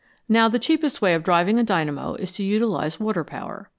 Now the cheapest way of driving a dynamo is to utilise water power.